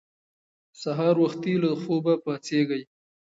سهار وختي له خوبه پاڅېږئ.